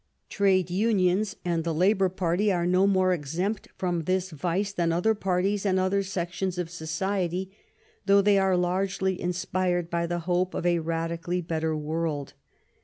Trade unions and the Labor party are no more exempt from this vice than other parties and other sections of society; though they are largely inspired by the hope of a radically better world.